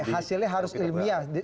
hasilnya harus ilmiah